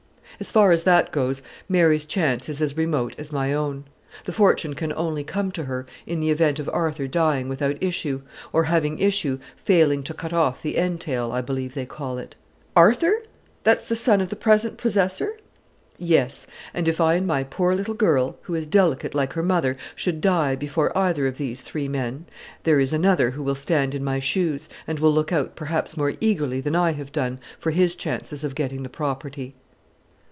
"As far as that goes, Mary's chance is as remote as my own. The fortune can only come to her in the event of Arthur dying without issue, or, having issue, failing to cut off the entail, I believe they call it." "Arthur! that's the son of the present possessor?" "Yes. If I and my poor little girl, who is delicate like her mother, should die before either of these three men, there is another who will stand in my shoes, and will look out perhaps more eagerly than I have done for his chances of getting the property."